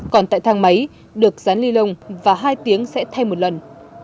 còn tại thang máy được rán ly lông và hai tiếng sẽ thay một lần